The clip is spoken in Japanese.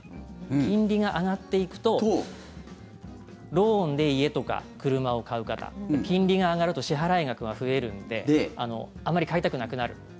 金利が上がっていくとローンで家とか車を買う方金利が上がると支払額が増えるんであまり買いたくなくなる。